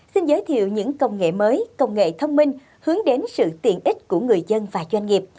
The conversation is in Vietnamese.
xin giới thiệu những công nghệ mới công nghệ thông minh hướng đến sự tiện ích của người dân và doanh nghiệp